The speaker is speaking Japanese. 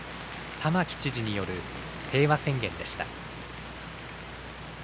玉城知事による平和宣言でした。